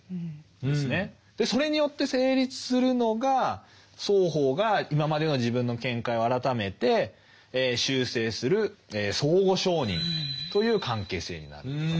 それによって成立するのが双方が今までの自分の見解を改めて修正する「相互承認」という関係性になるわけです。